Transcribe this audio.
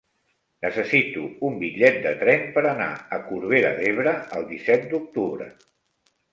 Necessito un bitllet de tren per anar a Corbera d'Ebre el disset d'octubre.